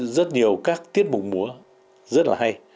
rất nhiều các tiết mục mùa rất hay